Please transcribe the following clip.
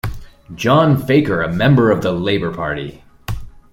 John Faker, a member of the Labor Party.